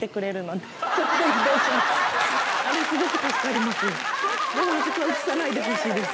でもあそこは映さないでほしいです。